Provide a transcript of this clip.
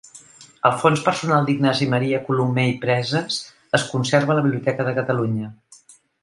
El fons personal d'Ignasi Maria Colomer i Preses es conserva a la Biblioteca de Catalunya.